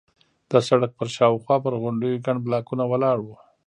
د سړک پر شاوخوا پر غونډیو ګڼ بلاکونه ولاړ وو.